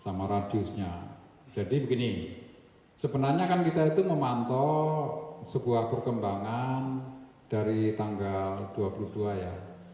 sama radiusnya jadi begini sebenarnya kan kita itu memantau sebuah perkembangan dari tanggal dua puluh dua ya